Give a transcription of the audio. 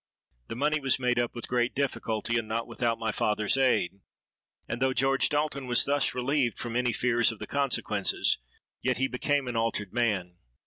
The money was made up with great difficulty, and not without my father's aid; and though George Dalton was thus relieved from any fears of the consequences, yet he became an altered man.